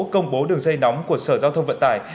công bố đường dây nóng của sở giao thông vận tải